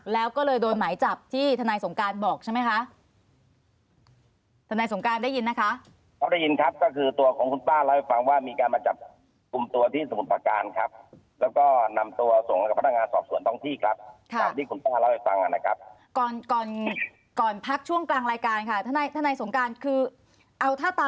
แล้วก็เลยโดนไหมจับที่ท